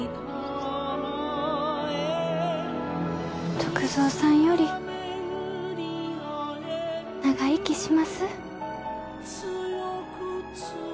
篤蔵さんより長生きします